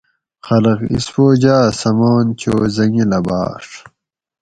خلق اسپوجاۤ سماۤنہ چو حٔنگیلہ باۤڄ